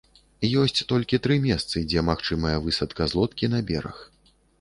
Ёсць толькі тры месцы, дзе магчымая высадка з лодкі на бераг.